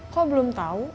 kok belum tahu